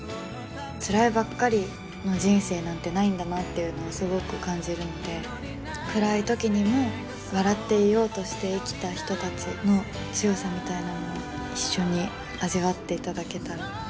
つらいばっかりの人生なんてないんだなっていうのをすごく感じるので暗い時にも笑っていようとして生きた人たちの強さみたいなものを一緒に味わっていただけたらうれしいなと思います。